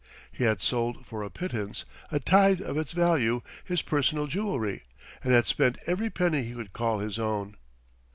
He had sold for a pittance, a tithe of its value, his personal jewelry, and had spent every penny he could call his own.